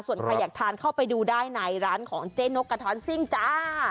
ส่วนใครอยากทานเข้าไปดูได้ในร้านของเจ๊นกกระท้อนซิ่งจ้า